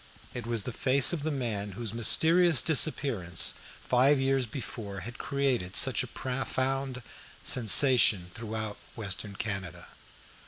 It was the face of the man whose mysterious disappearance five years before had created such a profound sensation throughout Western Canada.